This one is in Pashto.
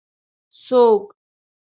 ـ څوک؟